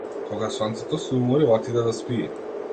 Кога сонцето се умори отиде да спие.